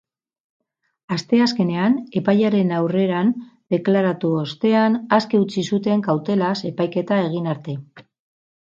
Asteazkenean epailearen aurreran deklaratu ostean, aske utzi zuten kautelaz epaiketa egin arte.